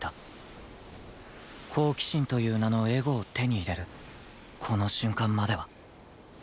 好奇心という名のエゴを手に入れるこの瞬間までは